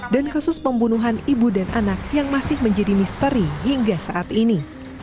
dan kasus pembunuhan ibu dan anak yang masih menjadi misteri hingga saat ini